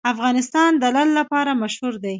افغانستان د لعل لپاره مشهور دی.